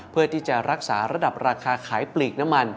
เพื่อที่จะรักษาระดับราคาขายปลีกน้ำมัน